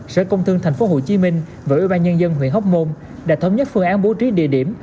sở công thương tp hcm và ủy ban nhân dân huyện hóc môn đã thống nhất phương án bố trí địa điểm